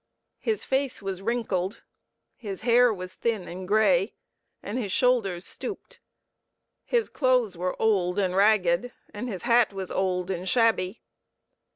His face was wrinkled, his hair was thin and grey, and his shoulders stooped. His clothes were old and ragged and his hat was old and shabby.